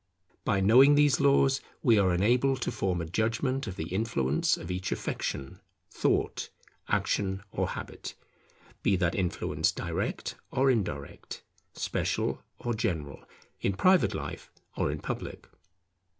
By knowing these laws, we are enabled to form a judgment of the influence of each affection, thought, action, or habit, be that influence direct or indirect, special or general, in private life or in public.